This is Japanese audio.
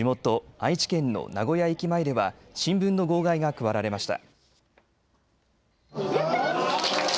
愛知県の名古屋駅前では新聞の号外が配られました。